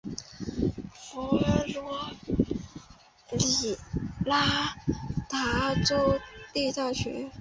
佛罗里达州立大学。